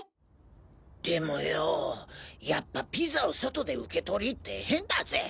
でもよぉやっぱピザを外で受け取りって変だぜ。